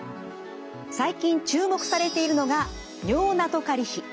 最近注目されているのが尿ナトカリ比。